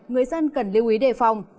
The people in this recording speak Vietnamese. người dân cần lưu ý đề phòng